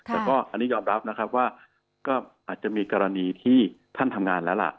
แต่ก็อันนี้ยอมรับนะครับว่าก็อาจจะมีกรณีที่ท่านทำงานแล้วล่ะ